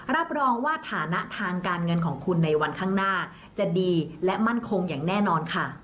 รับรองว่าฐานะทางการเงินของคุณในวันข้างหน้าจะดีและมั่นคงอย่างแน่นอนค่ะ